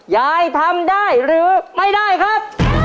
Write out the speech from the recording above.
ยายทำได้หรือไม่ได้ครับ